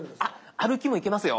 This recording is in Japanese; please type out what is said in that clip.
歩きもいけますよ。